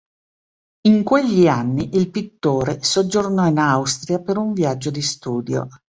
In quegli anni il pittore soggiornò in Austria per un viaggio di studio.